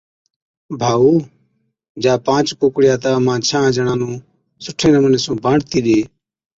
ڀائُو، جا پانچ ڪُوڪڙِيا تہ امهان ڇهان جڻان نُون سُٺي نمُوني سُون بانٽتِي ڏي۔